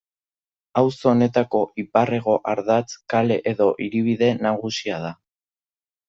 Auzo honetako ipar-hego ardatz, kale edo hiribide nagusia da.